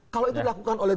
kalau itu dilakukan oleh